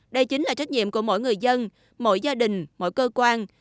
đây chính là trách nhiệm của mỗi người dân mỗi gia đình mỗi cơ quan